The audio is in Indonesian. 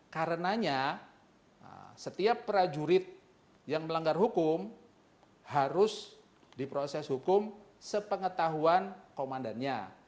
karenanya setiap prajurit yang melanggar hukum harus diproses hukum sepengetahuan komandannya